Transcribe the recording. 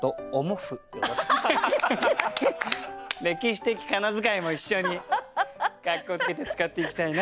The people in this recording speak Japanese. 歴史的仮名遣いも一緒にかっこつけて使っていきたいなと。